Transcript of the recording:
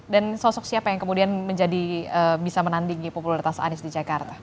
dan sosok siapa yang kemudian menjadi bisa menandingi populeritas anies di jakarta